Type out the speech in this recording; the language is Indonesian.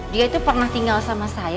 dia itu pernah tinggal sama saya